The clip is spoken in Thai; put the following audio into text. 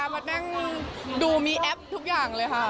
มานั่งดูมีแอปทุกอย่างเลยค่ะ